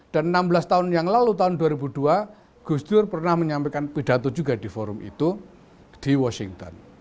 dan enam belas tahun yang lalu tahun dua ribu dua gus dur pernah menyampaikan pidato juga di forum itu di washington